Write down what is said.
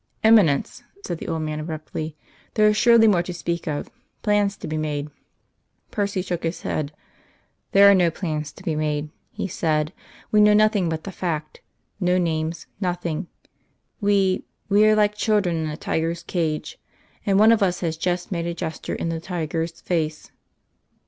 "Eminence," said the old man abruptly, "there is surely more to speak of. Plans to be made." Percy shook his head. "There are no plans to be made," he said. "We know nothing but the fact no names nothing. We we are like children in a tiger's cage. And one of us has just made a gesture in the tiger's face."